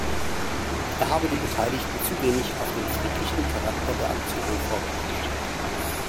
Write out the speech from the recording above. Er habe die Beteiligten zu wenig auf den friedlichen Charakter der Aktionen vorbereitet.